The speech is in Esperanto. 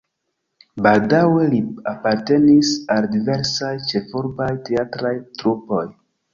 Baldaŭe li apartenis al diversaj ĉefurbaj teatraj trupoj.